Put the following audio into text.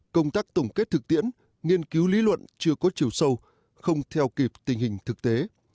công tác tổng kết thực tiễn nghiên cứu lý luận chưa có chiều sâu không theo kịp tình hình thực tế